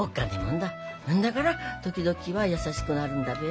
んだから時々は優しくなるんだべ。